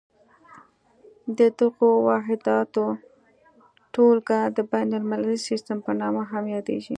د دغو واحداتو ټولګه د بین المللي سیسټم په نامه هم یادیږي.